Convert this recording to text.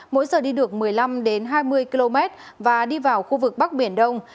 mỗi giờ đi được một mươi năm hai mươi km và đi vào khu vực bắc biển đông